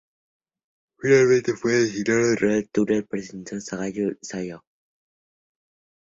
Finalmente se fusionaron Racing, Túnel, Progreso de Sayago y Sayago.